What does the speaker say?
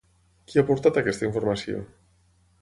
Qui ha aportat aquesta informació?